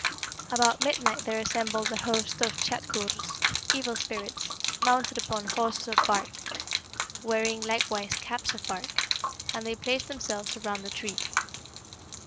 "About midnight there assembled a host of Tschadkurrs (evil spirits) mounted upon horses of bark, wearing likewise caps of bark, and they placed themselves around the tree.